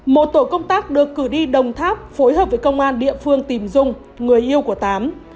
một tổ công tác được cử đi đồng tháp phối hợp với công an địa phương tìm dung người yêu của tám